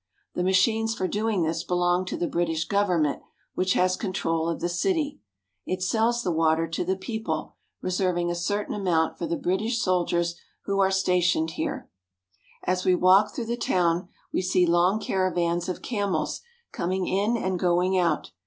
The machines for doing this belong to the British government, which has control of the city. It sells the water to the 336 ARABIA, OR LIFE IN THE DESERT people, reserving a certain amount for the British soldiers who are stationed here. As we walk through the town, we see long caravans of camels coming in and going out.